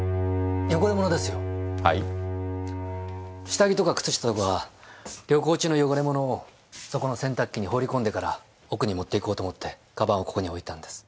下着とか靴下とか旅行中の汚れ物をそこの洗濯機に放り込んでから奥に持っていこうと思って鞄をここに置いたんです。